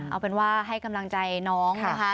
เอาเป็นว่าให้กำลังใจน้องนะคะ